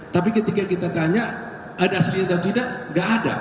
tapi ketika kita tanya ada asli atau tidak nggak ada